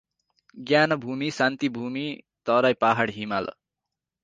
ज्ञानभूमि, शान्तिभूमि तराई, पहाड, हिमाल